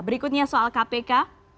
berikutnya soal kpk